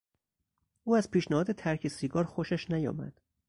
او از پیشنهاد ترک سیگار خوشش نیامد.